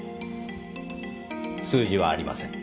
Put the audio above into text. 数字はありません。